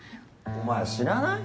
お前知らない？